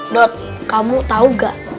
dut kamu tahu gak